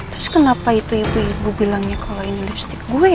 terus kenapa itu ibu bilangnya kalau ini lipstick gue ya